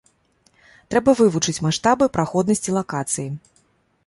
Трэба вывучыць маштабы праходнасці лакацыі.